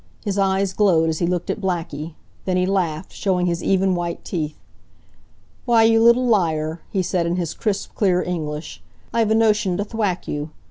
His eyes glowed as he looked at Blackie. Then he laughed, showing his even, white teeth. "Why, you little liar!" he said, in his crisp, clear English. "I've a notion to thwack you.